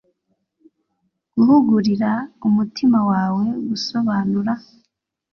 guhugurira umutima wawe gusobanura